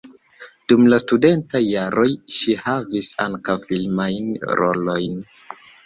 Dum la studentaj jaroj ŝi havis ankaŭ filmajn rolojn.